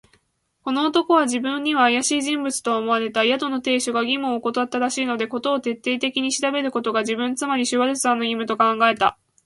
この男は自分にはあやしい人物と思われた。宿の亭主が義務をおこたったらしいので、事を徹底的に調べることが、自分、つまりシュワルツァーの義務と考えた。